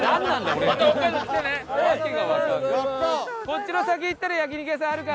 こっちの先行ったら焼肉屋さんあるから。